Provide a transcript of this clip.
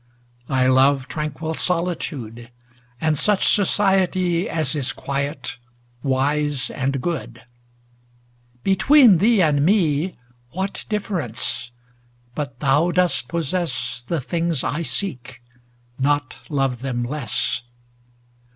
I love tranquil solitude, And such society As is quiet, wise, and good; Between thee and me What difference? but thou dost possess The things I seek, not love them less.